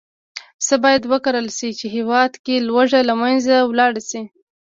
څه باید وکرل شي، چې هېواد کې لوږه له منځه لاړه شي.